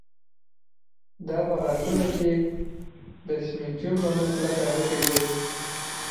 دا په غاښونو کې د سېمنټوم په نوم کلک هډوکی دی